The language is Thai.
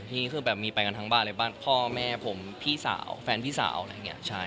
นี่คือแบบมีไปกันทั้งบ้านเลยบ้านพ่อแม่ผมพี่สาวแฟนพี่สาวอะไรอย่างนี้ใช่